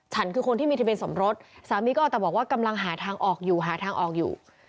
ฉันคือคนที่มีทะเบียนสมรสสามีก็เอาแต่บอกว่ากำลังหาทางออกอยู่